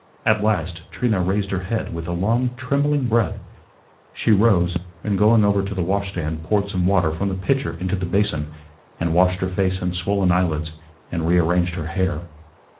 At last Trina raised her head, with a long, trembling breath. She rose, and going over to the washstand, poured some water from the pitcher into the basin, and washed her face and swollen eyelids, and rearranged her hair.